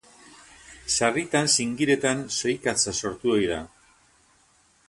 Sarritan zingiretan zohikatza sortu ohi da.